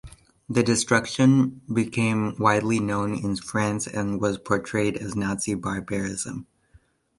The destruction became widely known in France and was portrayed as Nazi barbarism.